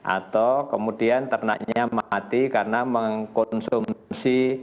atau kemudian ternaknya mati karena mengkonsumsi